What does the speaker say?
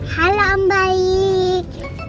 halo om baik